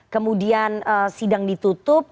kemudian sidang ditutup